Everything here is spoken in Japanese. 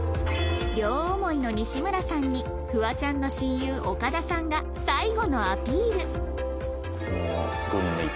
両思いの西村さんにフワちゃんの親友岡田さんが最後のアピール